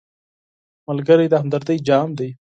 ملګری د همدردۍ جام دی